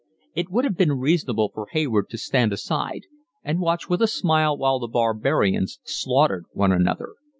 It would have been reasonable for Hayward to stand aside and watch with a smile while the barbarians slaughtered one another.